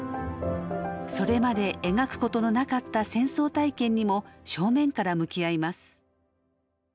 それまで描くことのなかった戦争体験にも正面から向き合います。